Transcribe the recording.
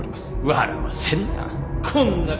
笑わせんな。